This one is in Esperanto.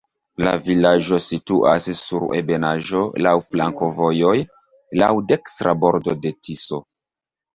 La vilaĝo situas sur ebenaĵo, laŭ flankovojoj, laŭ dekstra bordo de Tiso.